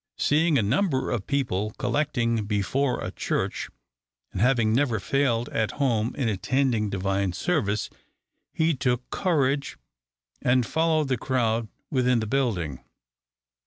Seeing a number of people collecting before a church, and having never failed at home in attending Divine Service, he took courage, and followed the crowd within the building.